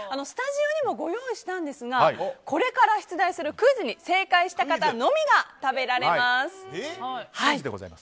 スタジオにもご用意したんですがこれから出題するクイズに正解した方のみが食べられます。